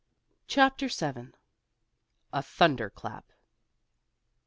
CHAPTER VII. A THUNDER CLAP.